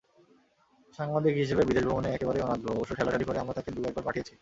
সাংবাদিক হিসেবে বিদেশভ্রমণে একেবারেই অনাগ্রহ, অবশ্য ঠেলাঠেলি করে আমরা তাঁকে দু-একবার পাঠিয়েছি।